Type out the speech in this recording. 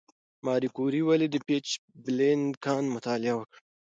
ماري کوري ولې د پیچبلېند کان مطالعه وکړه؟